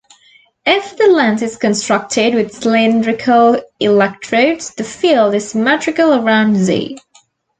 If the lens is constructed with cylindrical electrodes, the field is symmetrical around "z".